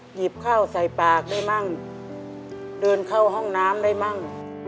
หยิบข้าวใส่ปากได้มั่งเดินเข้าห้องน้ำได้มั่ง